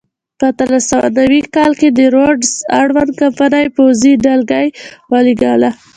په اتلس سوه نوي کال کې د روډز اړوند کمپنۍ پوځي ډلګۍ ولېږله.